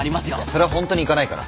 それは本当に行かないから。